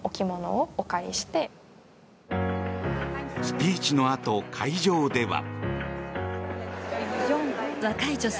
スピーチのあと、会場では。